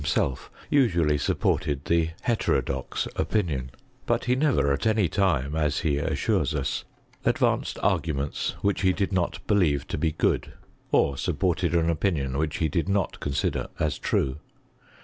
3 OS luDueif, uenally sapported the heterodox optnkm ; but he never at any time, as he assnres ns, advanced ailments ivhich he did not believe to be good, or supported an opinion which he did not consider as true.